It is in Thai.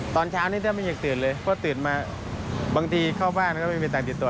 ตอนเช้านี้แทบไม่อยากตื่นเลยเพราะตื่นมาบางทีเข้าบ้านก็ไม่มีตังค์ติดตัว